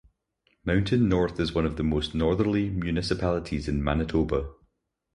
Mountain North is one of the most northerly municipalities in Manitoba.